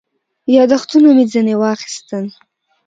یاداښتونه مې ځنې واخیستل.